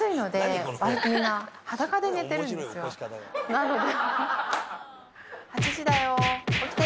なので。